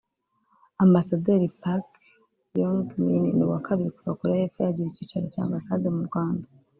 Ambasaderi Park Yo ng-Min ni uwa kabiri kuva Koreya y’Epfo yagira icyicaro cya Ambasade mu Rwanda